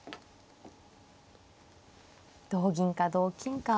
同銀か同金か。